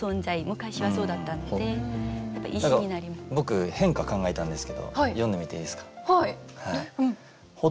僕返歌考えたんですけど詠んでみていいですか？